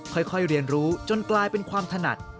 ค่อยเรียนรู้จนกลายเป็นความถนัด